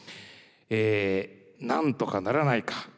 なんとかならないか？